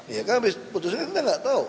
ya kan putusan kita nggak tahu